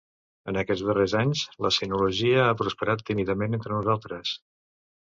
En aquests darrers anys la sinologia ha prosperat tímidament entre nosaltres.